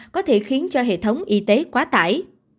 có thể khiến cho hệ thống y tế quá tải